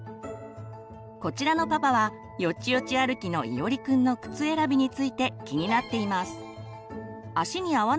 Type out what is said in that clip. こちらのパパはよちよち歩きのいおりくんの靴選びについて気になっています。